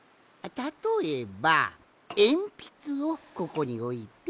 たとえばえんぴつをここにおいて。